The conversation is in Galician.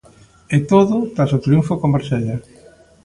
E todo tras o triunfo co Marsella.